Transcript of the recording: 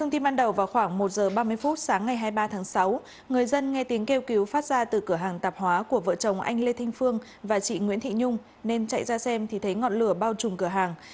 trong ba mươi phút sáng ngày hai mươi ba tháng sáu người dân nghe tiếng kêu cứu phát ra từ cửa hàng tạp hóa của vợ chồng anh lê thinh phương và chị nguyễn thị nhung nên chạy ra xem thì thấy ngọn lửa bao trùm cửa hàng